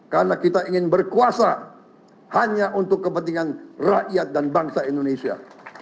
karena kita ingin berkuasa hanya untuk kepentingan rakyat dan bangsa indonesia